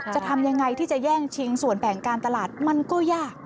จะทำยังไงที่จะแย่งชิงส่วนแบ่งการตลาดมันก็ยาก